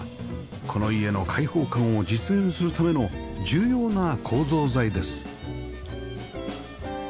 この家の開放感を実現するための重要な構造材です